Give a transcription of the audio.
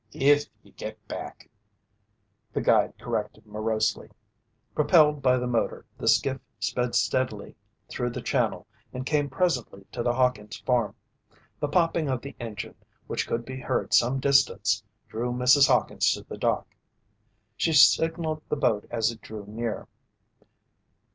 "If ye get back," the guide corrected morosely. Propelled by the motor, the skiff sped steadily through the channel and came presently to the Hawkins' farm. The popping of the engine, which could be heard some distance, drew Mrs. Hawkins to the dock. She signaled the boat as it drew near.